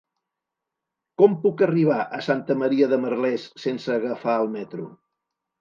Com puc arribar a Santa Maria de Merlès sense agafar el metro?